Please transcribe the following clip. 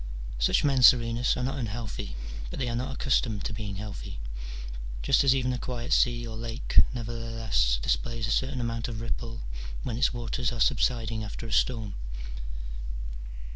Such men, Serenus, are not unhealthy, but they are not accustomed to being healthy ; just as even a quiet sea or lake nevertheless displays a certain amount of ripple when its waters are subsiding after a storm.